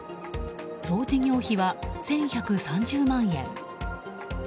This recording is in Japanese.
総事業費は１１３０万円。